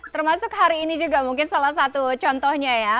termasuk hari ini juga mungkin salah satu contohnya ya